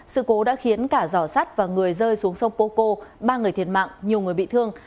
sự cố đã khiến cả giỏ sắt và người rơi xuống sông poco ba người thiệt mạng nhiều người bị thương